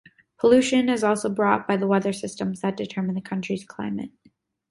Pollution is also brought by the weather systems that determine the country's climate.